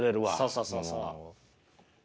そうそうそう。